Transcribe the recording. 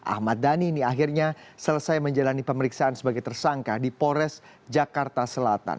ahmad dhani ini akhirnya selesai menjalani pemeriksaan sebagai tersangka di polres jakarta selatan